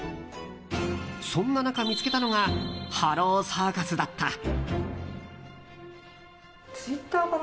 そんな中、見つけたのがハローサーカスだった。